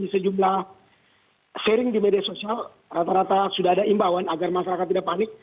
sejumlah sharing di media sosial rata rata sudah ada imbauan agar masyarakat tidak panik